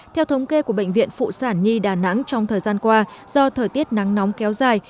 theo thống kê của bệnh viện phụ sản nhi đà nẵng trong thời gian qua do thời tiết nắng nóng kéo dài